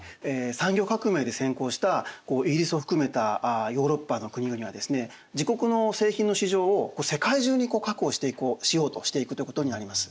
産業革命で先行したイギリスを含めたヨーロッパの国々はですね自国の製品の市場を世界中に確保していこうしようとしていくということになります。